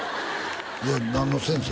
いや何の先生？